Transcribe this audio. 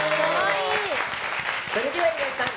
それでは、岩井さん